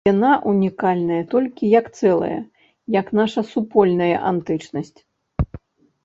Яна ўнікальная толькі як цэлае, як наша супольная антычнасць.